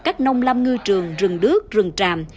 các nông lâm ngư trường rừng đước rừng tràm